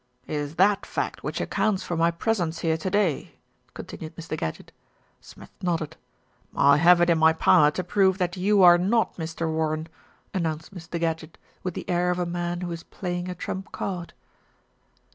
"It is that fact which accounts for my presence here to day," continued Mr. Gadgett. Smith nodded. "I have it in my power to prove that you are not Mr. Warren," announced Mr. Gadgett, with the air of a man who is playing a trump card.